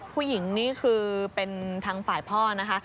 ผู้หญิงนี่คือเป็นทางฝ่ายพ่อนะคะ